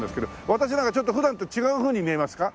私なんかちょっと普段と違うふうに見えますか？